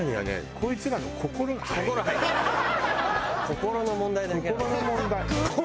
心の問題。